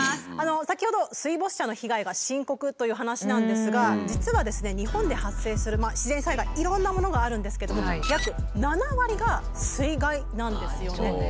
先ほど水没車の被害が深刻という話なんですが実は日本で発生する自然災害いろんなものがあるんですけども約７割が水害なんですよね。